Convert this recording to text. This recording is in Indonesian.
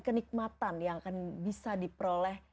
kenikmatan yang akan bisa diperoleh